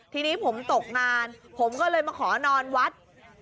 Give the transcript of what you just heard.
ทีนี้ผมตกงานผมก็เลยมาขอนอนวัด